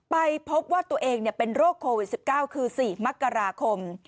ไปพบว่าตัวเองเป็นโรคโควิด๑๙คือ๔มกราคม